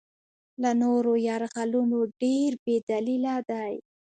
له نورو یرغلونو ډېر بې دلیله دی.